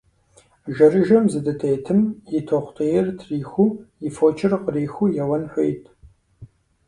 Жэрыжэм зыдытетым, и тохъутейр трихыу, и фочыр къырихыу еуэн хуейт.